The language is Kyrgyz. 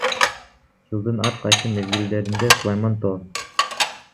Жылдын ар кайсы мезгилдеринде Сулайман Тоо